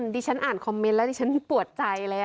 ดิฉันอ่านคอมเมนต์แล้วดิฉันปวดใจเลย